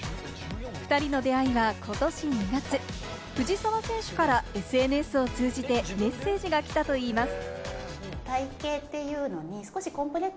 ２人の出会いは、ことし２月、藤澤選手からＳＮＳを通じてメッセージが来たといいます。